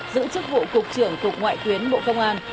giữ chức vụ cục trưởng cục ngoại tuyến bộ công an